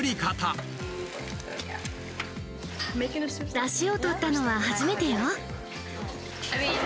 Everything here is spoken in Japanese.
だしをとったのは初めてよ。